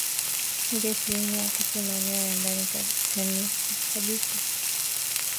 mita ishirini wakati maeneo ya ndani kabisa